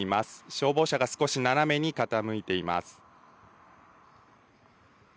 消防車は少し斜めに傾いています。